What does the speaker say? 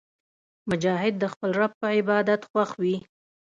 مجاهد د خپل رب په عبادت خوښ وي.